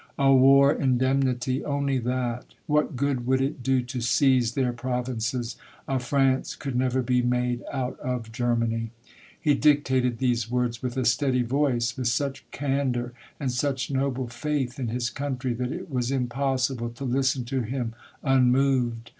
"' A war indemnity, only that ; what good would it do to seize their provinces? A France could never be made out of Germany !'" He dictated these words with a steady voice, with such candor, and such noble faith in his country, that it was impossible to listen to him unmoved.